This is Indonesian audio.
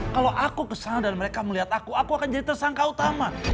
kalau aku kesana dan mereka melihat aku aku akan jadi tersangka utama